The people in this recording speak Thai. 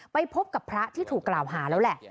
ไปพบกับพระที่ถูกกล่าวหาแล้วแหละ